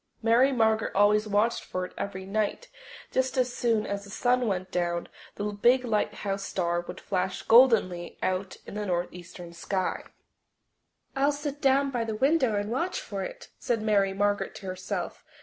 Mary Margaret always watched for it every night; just as soon as the sun went down the big lighthouse star would flash goldenly out in the northeastern sky. "I'll sit down by the window and watch for it," said Mary Margaret to herself.